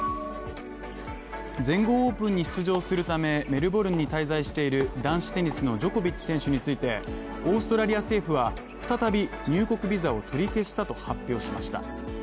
全豪オープンに出場するためメルボルンに滞在している男子テニスのジョコビッチ選手についてオーストラリア政府は再び入国ビザを取り消したと発表しました。